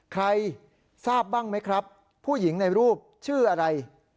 ใครทราบบ้างไหมครับผู้หญิงในรูปชื่ออะไร